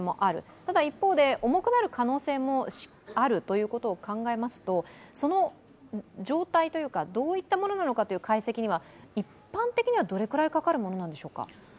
ただ一方で、重くなる可能性もあるということを考えますとその状態というか、どういったものなのかという解析には一般的にはどれくらいかかるものなのでしょうか。